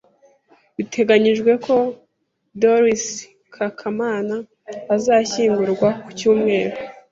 Biteganyijwe ko Darcy Kacaman azashyingurwa ku cyumweru.